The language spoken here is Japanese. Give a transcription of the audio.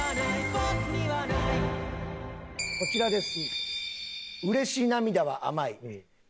こちらです。